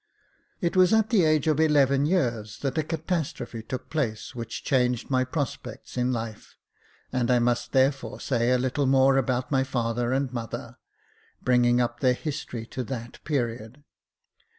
It was at the age of eleven years that a catastrophe took place which changed my prospects in life, and I must therefore say a little more about my father and mother, bringing up their history to that period.